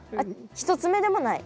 １つ目でもない？